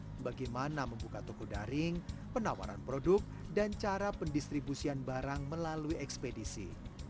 untuk bagaimana membuka toko daring penawaran produk dan cara pendistribusian barang melalui ekspedisi